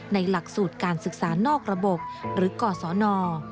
หลักสูตรการศึกษานอกระบบหรือกศน